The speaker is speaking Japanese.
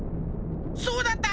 そうだった！